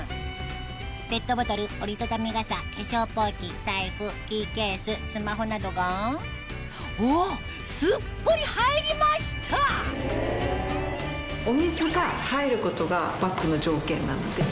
ペットボトル折り畳み傘化粧ポーチ財布キーケーススマホなどがうわっスッポリ入りましたお水が入ることがバッグの条件なので。